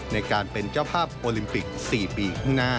ในการเป็นเจ้าภาพโอลิมปิก๔ปีข้างหน้า